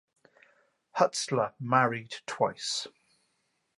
Hutzler married twice.